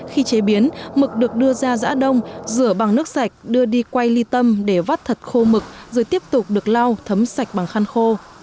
khi chế biến mực được đưa ra giã đông rửa bằng nước sạch đưa đi quay ly tâm để vắt thật khô mực rồi tiếp tục được lau thấm sạch bằng khăn khô